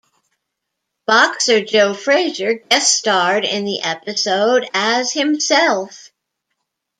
Boxer Joe Frazier guest starred in the episode as himself.